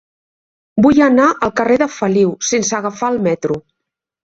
Vull anar al carrer de Feliu sense agafar el metro.